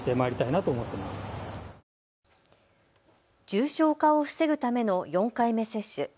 重症化を防ぐための４回目接種。